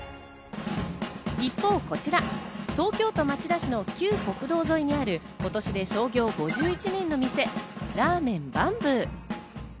一方こちら、東京都町田市の旧国道沿いにある今年で創業５１年の店、ラーメンＢａｍｂｏｏ。